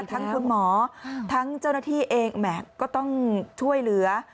ทั้งคุณหมอทั้งเจ้าหน้าที่เองแหมก็ต้องช่วยเหลือ